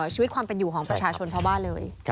ชีวิตความเป็นอยู่ของประชาชนชาวบ้านเลย